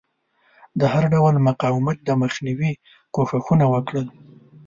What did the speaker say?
د هر ډول مقاومت د مخنیوي کوښښونه وکړل.